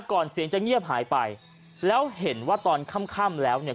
ก่อนเสียงจะเงียบหายไปแล้วเห็นว่าตอนค่ำค่ำแล้วเนี่ย